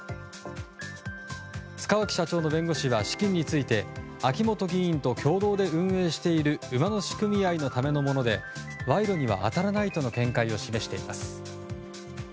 塚脇社長の弁護士は資金について、秋本議員と共同で運営している馬主組合のためのもので賄賂には当たらないとの見解を示しています。